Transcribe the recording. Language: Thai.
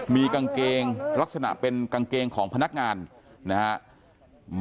มีกางเกงลักษณะเป็นกางเกงของพนักงานนะครับ